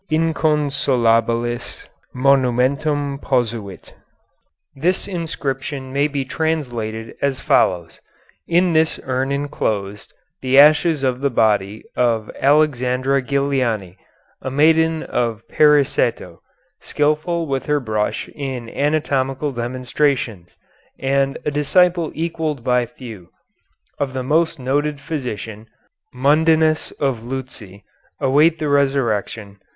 Inconsolabilis . M . P . This inscription may be translated as follows: In this urn enclosed The ashes of the body of Alexandra Giliani, a maiden of Periceto; Skilful with her brush in anatomical demonstrations And a disciple equalled by few, Of the most noted physician, Mundinus of Luzzi, Await the resurrection.